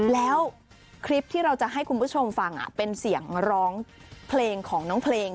แล้วคลิปที่เราจะให้คุณผู้ชมฟังเป็นเสียงร้องเพลงของน้องเพลง